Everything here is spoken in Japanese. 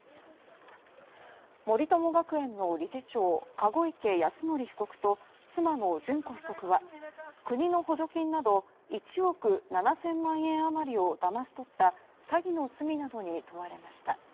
森友学園の理事長籠池泰典被告と妻の諄子被告は国の補助金など１億７０００万円余りをだまし取った詐欺の罪などに問われました。